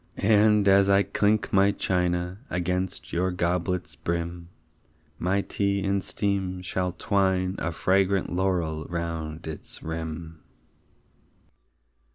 And, as I clink my china Against your goblet's brim, My tea in steam shall twine a Fragrant laurel round its rim.